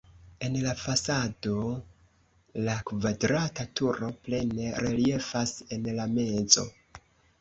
En la fasado la kvadrata turo plene reliefas en la mezo.